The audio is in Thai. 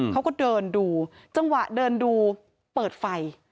เขาก็เดินดูจังหวะเดินดูเปิดไฟ